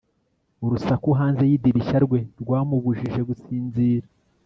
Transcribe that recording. urusaku hanze yidirishya rwe rwamubujije gusinzira